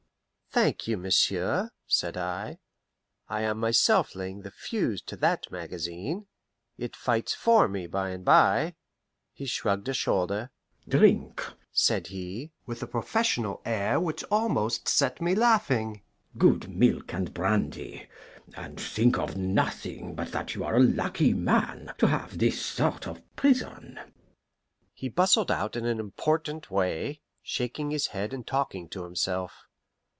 "Thank you, monsieur," said I, "I am myself laying the fuse to that magazine. It fights for me by and bye." He shrugged a shoulder. "Drink," said he, with a professional air which almost set me laughing, "good milk and brandy, and think of nothing but that you are a lucky man to have this sort of prison." He bustled out in an important way, shaking his head and talking to himself.